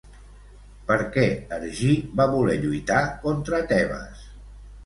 Per què Ergí va voler lluitar contra Tebes?